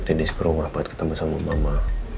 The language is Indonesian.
aku dan dennis ke rumah buat ketemu sama mama